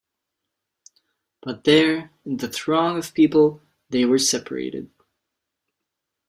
But there, in the throng of people, they were separated.